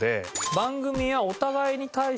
番組やお互いに対しての要望。